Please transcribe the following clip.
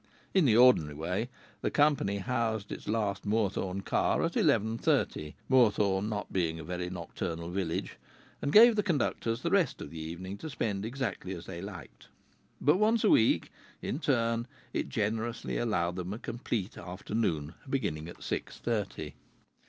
In the ordinary way the company housed its last Moorthorne car at eleven thirty (Moorthorne not being a very nocturnal village), and gave the conductors the rest of the evening to spend exactly as they liked; but once a week, in turn, it generously allowed them a complete afternoon beginning at six thirty.